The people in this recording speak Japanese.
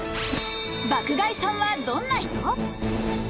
爆買いさんはどんな人？